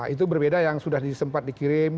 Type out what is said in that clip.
itu berbeda yang sudah sempat dikirim